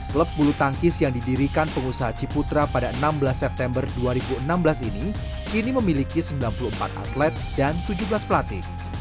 klub bulu tangkis yang didirikan pengusaha ciputra pada enam belas september dua ribu enam belas ini kini memiliki sembilan puluh empat atlet dan tujuh belas pelatih